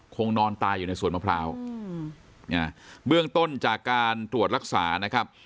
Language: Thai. คงนอนตายอยู่ในสวนมะพร้าวเบื้องต้นจากการตรวจรักษานะครับ